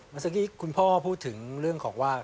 เมื่อกี้คุณพ่อพูดถึงเรื่องของว่า